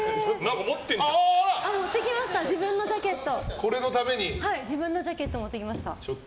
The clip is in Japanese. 持ってきました自分のジャケット。